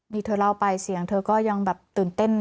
นี่เธอเล่าไปเสียงเธอก็ยังแบบตื่นเต้น